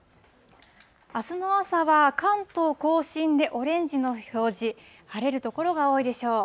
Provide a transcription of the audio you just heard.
あすの朝は関東甲信でオレンジの表示、晴れる所が多いでしょう。